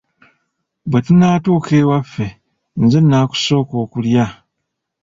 Bwe tunaatuuka ewaffe, nze naakusooka okulya.